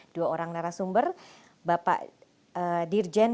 dua orang narasumber bapak dirjen